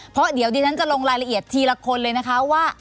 เพราะเดี๋ยวดิฉันจะลงรายละเอียดทีละคนเลยนะคะว่า